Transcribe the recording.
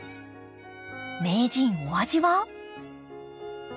名人お味は？